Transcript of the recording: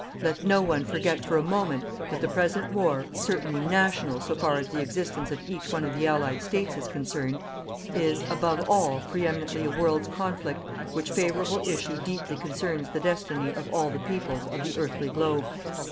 Let no one forget for a moment that the present war, certainly NATIONAL so far as the existence of each one of the Allied States is concerned, is, above all preeminently a world's conflict which favourable issue deeply concerns the destinies of all the peoples of the earthly globe.